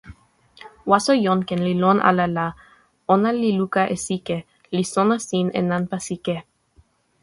waso Jonken li lon ala la, ona li luka e sike, li sona sin e nanpa sike.